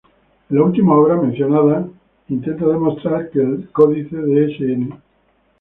En la última obra mencionada el intenta demostrar que el "Códice de Sn.